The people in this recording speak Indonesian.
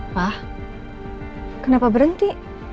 pak kenapa berhenti